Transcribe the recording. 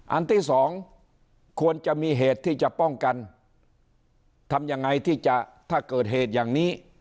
อันที่สองควรจะมีเหตุที่จะป้องกันทำยังไงที่จะถ้าเกิดเหตุอย่างนี้